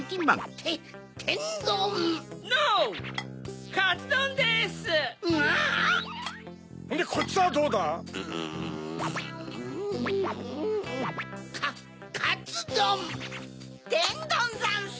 てんどんざんす。